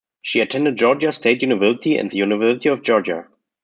She attended Georgia State University and the University of Georgia.